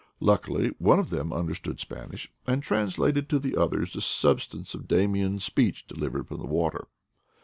Luckily one of them understood Spanish, and translated to the others the substance of Damian's speech delivered from the water.